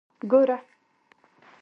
ګوره.